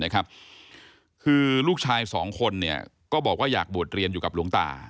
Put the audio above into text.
คือลูกชายสองคนก็บอกว่าอยากบวชเรียนอยู่กับหลวงตา